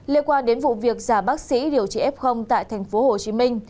liên quan đến vụ việc giả bác sĩ điều trị f tại thành phố hồ chí minh